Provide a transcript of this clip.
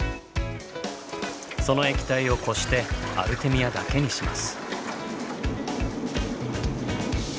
その液体をこしてアルテミアだけにします。